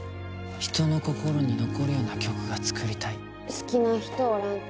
人の心に残るような曲が作りたい好きな人おらんと？